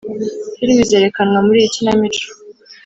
filime izerekanwa muri iyi kinamico.